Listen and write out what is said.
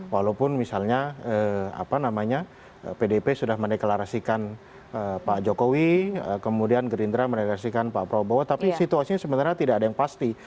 walaupun misalnya pdp sudah mendeklarasikan pak jokowi kemudian gerindra mendeklarasikan pak prabowo tapi situasinya sebenarnya tidak ada yang pasti